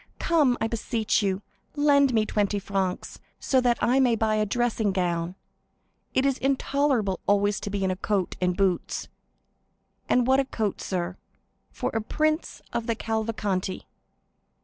Come, I beseech you, lend me twenty francs, so that I may buy a dressing gown; it is intolerable always to be in a coat and boots! And what a coat, sir, for a prince of the Cavalcanti!"